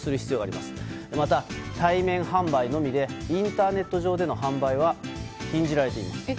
また、対面販売のみでインターネット上での販売は販売は禁じられています。